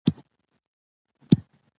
د دوى هڅه هم دا ده،